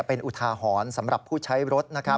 เป็นอุทาหรณ์สำหรับผู้ใช้รถ